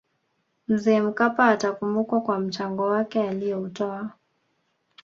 mzee mkapa atakumbukwa kwa mchango wake aliyoutoa